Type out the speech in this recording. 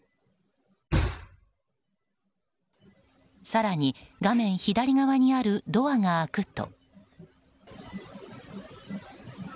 更に画面左側にあるドアが開くと。